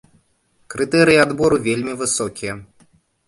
Крытэрыі адбору вельмі высокія.